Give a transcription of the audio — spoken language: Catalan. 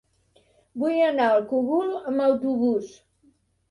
Vull anar al Cogul amb autobús.